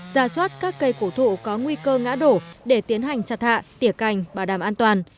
ra soát các cây cổ thụ có nguy cơ ngã đổ để tiến hành chặt hạ tiể cành bảo đảm an toàn